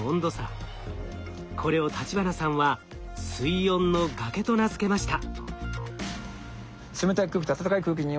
これを立花さんは「水温の崖」と名付けました。